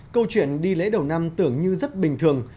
câu chuyện đi lễ đầu năm tưởng như rất bình thường